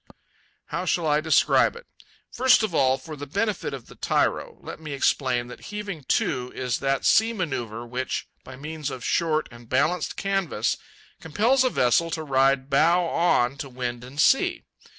How shall I describe it? First of all, for the benefit of the tyro, let me explain that heaving to is that sea manœuvre which, by means of short and balanced canvas, compels a vessel to ride bow on to wind and sea.